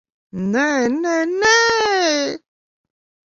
Nē, nē, nē!